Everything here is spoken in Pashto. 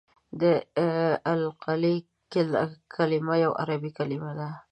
د القلي کلمه یوه عربي کلمه ده.